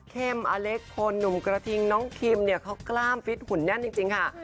อเล็กพลหนุ่มกระทิงน้องคิมเนี่ยเขากล้ามฟิตหุ่นแน่นจริงค่ะ